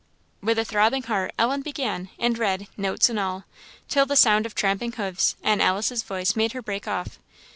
With a throbbing heart, Ellen began; and read, notes and all, till the sound of tramping hoofs and Alice's voice made her break off.